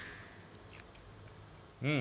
うん。